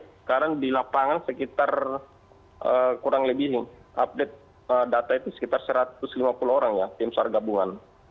sekarang di lapangan sekitar kurang lebih update data itu sekitar satu ratus lima puluh orang ya tim sar gabungan